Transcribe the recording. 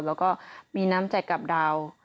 แล้วก็มีน้ำใจกับดาว